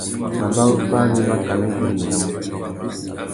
Mabarú fari mákànà i güeréménamú.